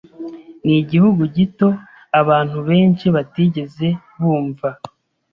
Ni igihugu gito abantu benshi batigeze bumva.